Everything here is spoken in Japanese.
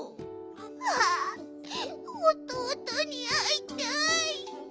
あおとうとにあいたい！